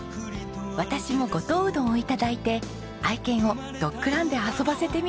私も五島うどんを頂いて愛犬をドッグランで遊ばせてみたいです。